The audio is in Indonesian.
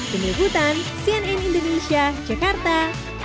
penyebutan cnn indonesia jakarta